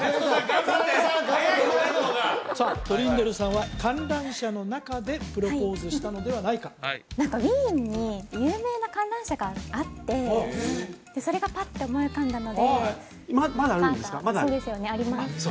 黒柳さんさあトリンドルさんは観覧車の中でプロポーズしたのではないか何かウィーンに有名な観覧車があってそれがパッと思い浮かんだのでまだあるんですか？